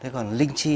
thế còn linh chi